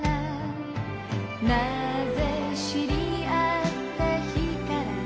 「何故知りあった日から」